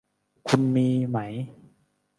คุณมีไหม